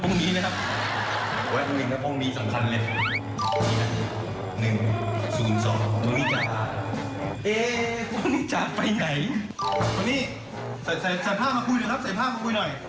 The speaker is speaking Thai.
ซึ่งวันแรกเริ่มขึ้นเนี่ย